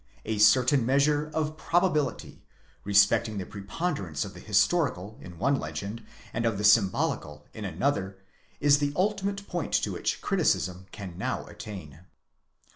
A certain measure of probability respecting the preponderance of . the historical in one legend, and of the symbolical in another, is the ultimate point to which criticism can now attain.